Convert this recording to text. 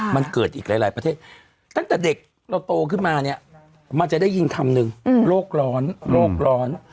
มันเกิดอีกหลายประเทศตั้งแต่เด็กเราโตขึ้นมาเนี่ยมันจะได้ยินคำหนึ่งโรคร้อนโรคร้อน